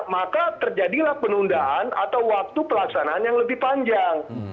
maka terjadilah penundaan atau waktu pelaksanaan yang lebih panjang